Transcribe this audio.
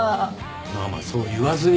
まあまあそう言わずに。